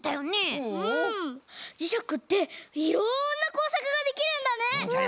じしゃくっていろんなこうさくができるんだね。